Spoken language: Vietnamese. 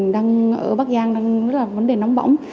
đang rất là vấn đề nóng bóng